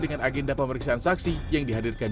dengan agenda pemeriksaan saksi yang dihadirkan